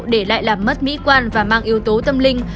để lại làm mất mỹ quan và mang yếu tố tâm linh